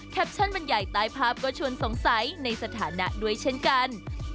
แคปชั่นบรรยายตายภาพก็ชวนสงสัยในสถานะด้วยเช่นกัน